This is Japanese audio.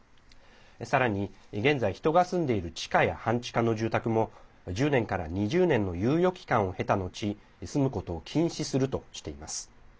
さらに現在、人が住んでいる地下や半地下の住宅も１０年から２０年の猶予期間をへた後住むことを禁止するとしています。